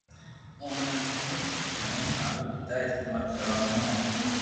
او ني ھون ھين مارو پيتا استمعال ڪرو ھون